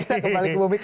kita kembali ke bumi